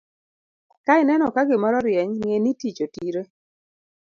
Ka ineno ka gimoro rieny, ng'e ni tich otire.